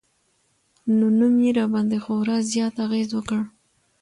نو نوم يې راباندې خوړا زيات اغېز وکړ